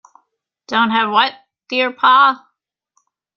Don't have what, dear Pa?